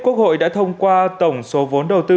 quốc hội đã thông qua tổng số vốn đầu tư